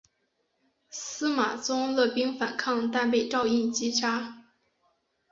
司马宗勒兵反抗但被赵胤击杀。